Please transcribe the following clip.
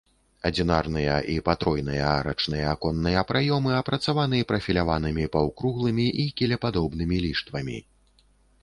Адзінарныя і патройныя арачныя аконныя праёмы апрацаваны прафіляванымі паўкруглымі і кілепадобнымі ліштвамі.